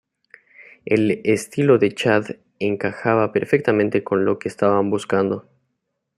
El estilo de Chad encajaba perfectamente con lo que estaban buscando.